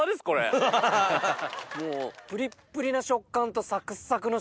プリップリな食感とサクッサクの食感。